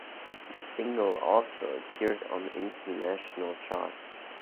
The single also appeared on international charts.